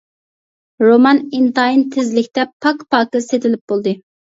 رومان ئىنتايىن تېزلىكتە پاك-پاكىز سېتىلىپ بولدى.